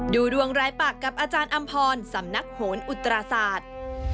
ดูดวงรายปากกับอาจารย์อำพรสำนักโหนอุตราศาสตร์